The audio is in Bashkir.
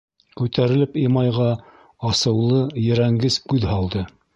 Күтәрелеп Имайға асыулы ерәнгес күҙ һалды.